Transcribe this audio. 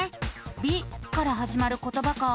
「び」からはじまることばか。